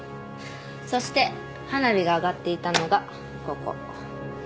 そして花火が上がっていたのがここ。